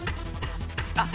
あっ！